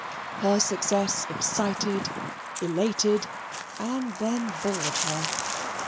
Her success excited, elated, and then bored her.